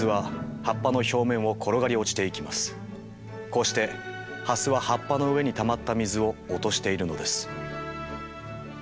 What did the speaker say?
こうしてハスは葉っぱの上にたまった水を落としているのです。